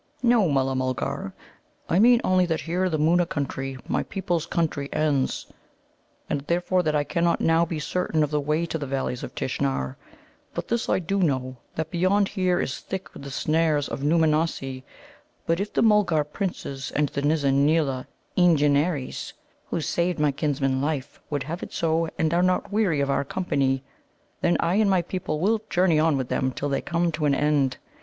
"No, Mulla mulgar; I mean only that here the Moona country, my people's country, ends, and therefore that I cannot now be certain of the way to the Valleys of Tishnar. But this I do know: that beyond here is thick with the snares of Nōōmanossi. But if the Mulgar Princes and the Nizza neela Eengenares, who saved my kinsman's life, would have it so, and are not weary of our company, then I and my people will journey on with them till they come to an end.